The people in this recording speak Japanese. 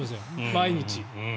毎日。